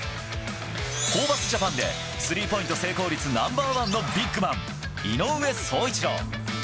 ホーバスジャパンでスリーポイント成功率ナンバー１のビッグマン、井上宗一郎。